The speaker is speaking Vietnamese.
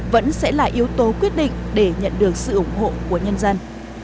vẫn sẽ là yếu tố quyết định để nhận được sự ủng hộ của nhân dân